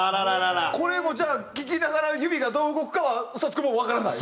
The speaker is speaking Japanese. これもじゃあ聴きながら指がどう動くかはＳＴＵＴＳ君もわからない？